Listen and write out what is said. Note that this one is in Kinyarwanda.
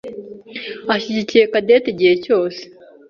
ashyigikiye Cadette igihe cyose.